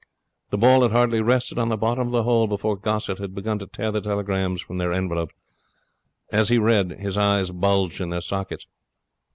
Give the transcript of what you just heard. The ball had hardly rested on the bottom of the hole before Gossett had begun to tear the telegrams from their envelopes. As he read, his eyes bulged in their sockets.